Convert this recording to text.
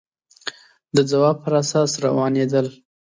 د ځواب پر اساس روانېدل